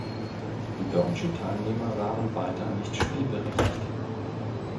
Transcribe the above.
Deutsche Teilnehmer waren weiter nicht spielberechtigt.